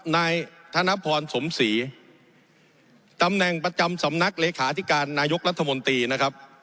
นายธนพรสมศรีตำแหน่งประจำสำนักเลขาธิการนายกรัฐมนตรีนะครับ